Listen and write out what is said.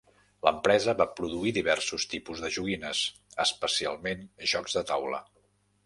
L'empresa va produir diversos tipus de joguines, especialment jocs de taula.